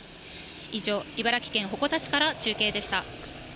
以上、茨城県鉾田市から中継でした。